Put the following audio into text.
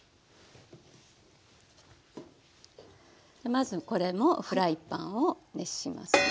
まずこれもフライパンを熱しますね。